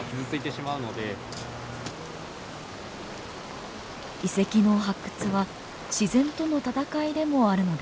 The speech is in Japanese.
遺跡の発掘は自然との闘いでもあるのです。